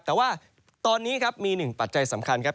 แต่ว่าตอนนี้มี๑ปัจจัยสำคัญครับ